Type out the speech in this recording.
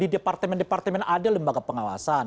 di departemen departemen ada lembaga pengawasan